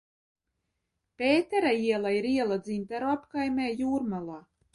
Pētera iela ir iela Dzintaru apkaimē Jūrmalā.